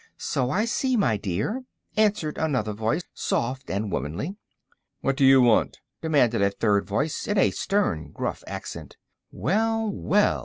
"So I see, my dear," answered another voice, soft and womanly. "What do you want?" demanded a third voice, in a stern, gruff accent. "Well, well!"